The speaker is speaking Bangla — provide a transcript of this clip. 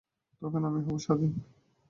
তখনই আমি হব স্বাধীন।